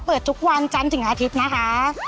เปิดทุกวันจันทร์ถึงอาทิตย์นะคะ